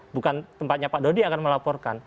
bukan tempatnya pak dodi yang akan melaporkan